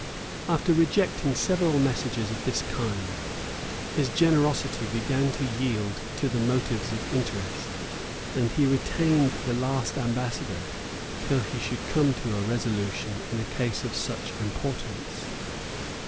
After rejecting several messages of this kind, his generosity began to yield to the motives of interest; and he retained the last ambassador, till he should come to a resolution in a case of such importance.